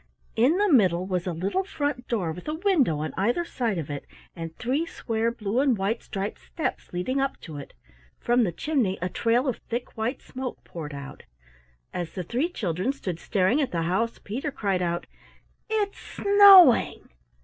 In the middle was a little front door with a window on either side of it and three square blue and white striped steps leading up to it. From the chimney a trail of thick white smoke poured out. As the three children stood staring at the house, Peter cried out: "It's snowing!"